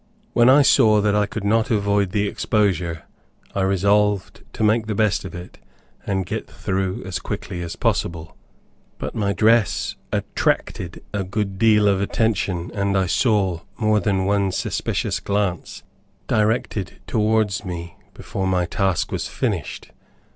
When I saw that I could not avoid the exposure I resolved to make the best of it and get through as quickly, as possible; but my dress attracted a good deal of attention, and I saw more than one suspicious glance directed towards me before my task was finished.